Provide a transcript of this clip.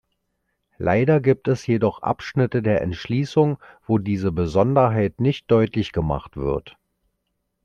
Leider gibt es jedoch Abschnitte der Entschließung, wo diese Besonderheit nicht deutlich gemacht wird.